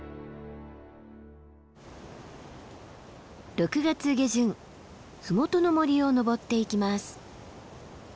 ６月下旬麓の森を登っていきます。